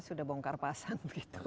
sudah bongkar pasang